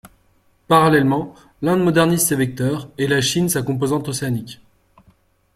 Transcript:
Parallèlement, l’Inde modernise ses vecteurs et la Chine sa composante océanique.